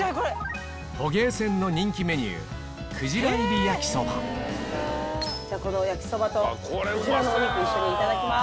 捕鯨舩の人気メニュー焼きそばとくじらのお肉一緒にいただきます。